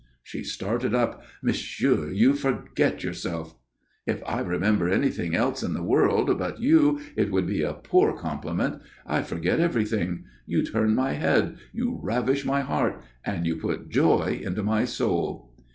She started up. "Monsieur, you forget yourself!" "If I remember anything else in the wide world but you, it would be a poor compliment. I forget everything. You turn my head, you ravish my heart, and you put joy into my soul."